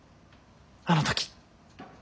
あの時。